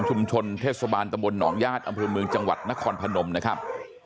เทศบาลตำบลหนองญาติอำเภอเมืองจังหวัดนครพนมนะครับ